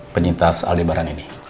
penyintas aldebaran ini